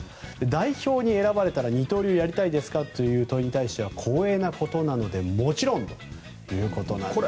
代表に選ばれたら二刀流やりたいですかという問いには光栄なことなのでもちろんということです。